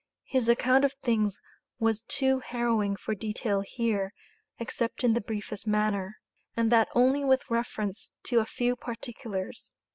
His account of things was too harrowing for detail here, except in the briefest manner, and that only with reference to a few particulars.